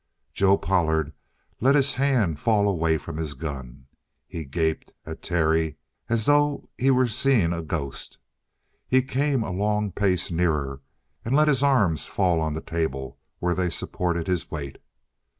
Joe Pollard had let his hand fall away from his gun. He gaped at Terry as though he were seeing a ghost. He came a long pace nearer and let his arms fall on the table, where they supported his weight.